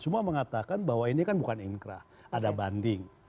cuma mengatakan bahwa ini kan bukan inkrah ada banding